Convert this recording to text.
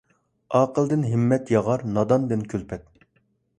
ئاقىلدىن ھىممەت ياغار، ناداندىن كۈلپەت.